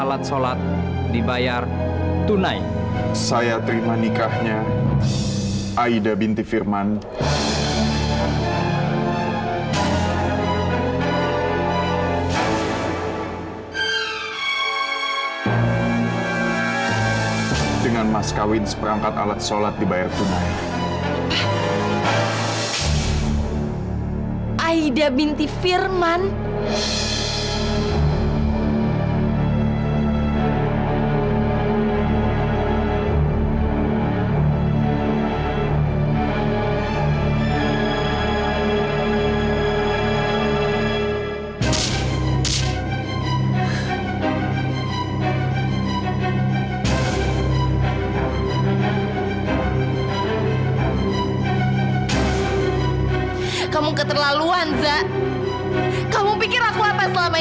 ahi daya dorong aku omah